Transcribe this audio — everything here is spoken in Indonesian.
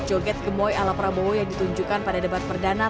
joget gemboy ala prabowo yang ditunjukkan pada debat perdana